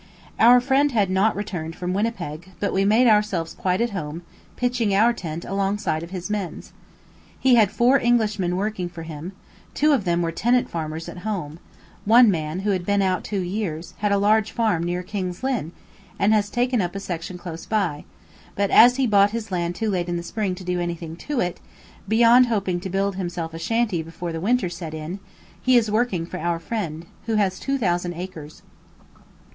Our friend had not returned from Winnipeg, but we made ourselves quite at home, pitching our tent alongside of his men's. He had four Englishmen working for him, two of them were tenant farmers at home; one man, who had been out two years, had had a large farm near King's Lynn, and has taken up a section close by; but as he bought his land too late in the spring to do anything to it; beyond hoping to build himself a shanty before the winter set in, he is working for our friend, who has 2,000 acres.